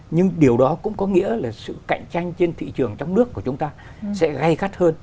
nhưng điều đó cũng có nghĩa là sự cạnh tranh trên thị trường trong nước của chúng ta sẽ gây gắt hơn